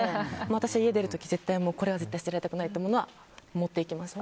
私、家出る時これは絶対捨てられたくないってものは持っていきました。